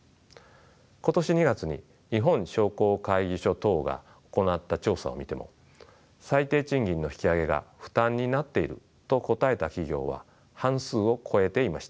今年２月に日本商工会議所等が行った調査を見ても最低賃金の引き上げが「負担になっている」と答えた企業は半数を超えていました。